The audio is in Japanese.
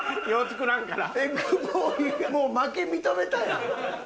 もう負け認めたやん。